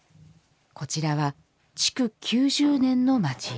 こちらは築９０年の町家。